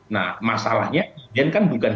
nah masalahnya gen kan bukan